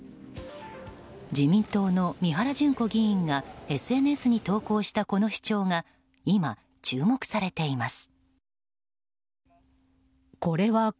自民党の三原じゅん子議員がＳＮＳに投稿したこの主張が今、注目されています。